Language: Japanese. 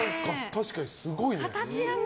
確かにすごいね、形が。